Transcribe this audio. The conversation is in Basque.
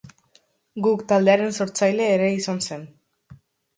Guk taldearen sortzaile ere izan zen.